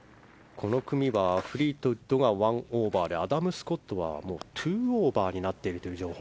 この組はフリートウッドが１アンダーでアダム・スコットは２オーバーになっているという情報。